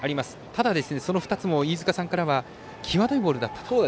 ただ、その２つも飯塚さんからは際どいボールだと。